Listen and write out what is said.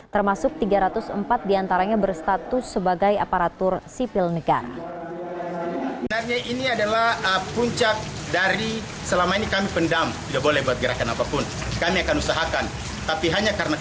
termasuk tiga ratus empat diantaranya berstatus sebagai aparatur sejarah